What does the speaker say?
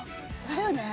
だよね。